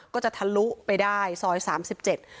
ก็จะทะลุไปได้ซอยรังศิษย์๓๗